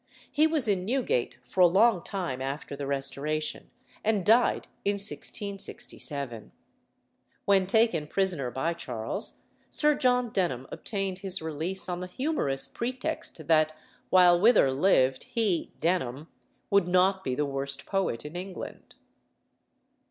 He was in Newgate for a long time after the Restoration, and died in 1667. When taken prisoner by Charles, Sir John Denham obtained his release on the humorous pretext that, while Wither lived, he (Denham) would not be the worst poet in England.